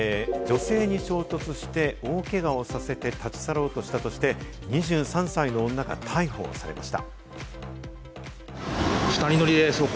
女性に衝突して大怪我をさせて立ちさろうとしたとして、２３歳の女が逮捕されました。